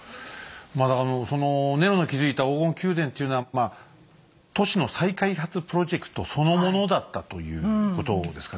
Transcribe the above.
まあだからそのネロの築いた黄金宮殿っていうのはまあ都市の再開発プロジェクトそのものだったということですかね。